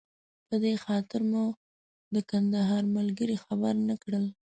په دې خاطر مو د کندهار ملګري خبر نه کړل.